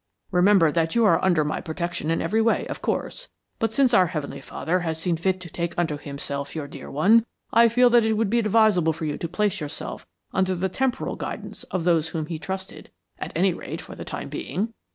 Remember that you are under my protection in every way, of course, but since our Heavenly Father has seen fit to take unto Himself your dear one, I feel that it would be advisable for you to place yourself under the temporal guidance of those whom he trusted, at any rate for the time being."